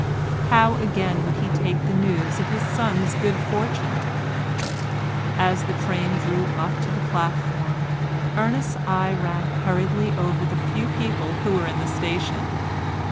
How, again, would he take the news of his son's good fortune? As the train drew up to the platform, Ernest's eye ran hurriedly over the few people who were in the station.